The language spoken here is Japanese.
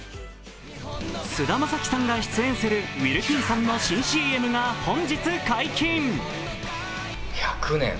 菅田将暉さんが出演するウィルキンソンの新ＣＭが本日解禁。